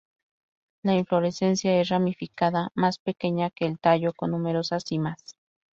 La inflorescencia es ramificada, más pequeña que el tallo, con numerosas cimas.